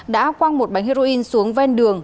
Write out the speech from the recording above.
đã quăng một bánh heroin xuống ven đường